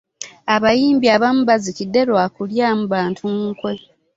abayimbi abamu bazikidde lwa kulyamu bantu nkwe.